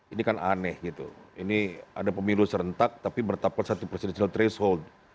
ini kan aneh gitu ini ada pemilu serentak tapi menetapkan satu presidential threshold